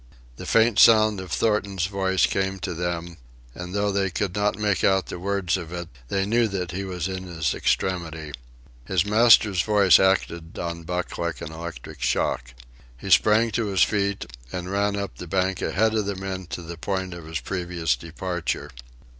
The faint sound of Thornton's voice came to them, and though they could not make out the words of it, they knew that he was in his extremity. His master's voice acted on Buck like an electric shock, He sprang to his feet and ran up the bank ahead of the men to the point of his previous departure.